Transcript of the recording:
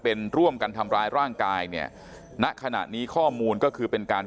เป็นร่วมกันทำร้ายร่างกายเนี่ยณขณะนี้ข้อมูลก็คือเป็นการ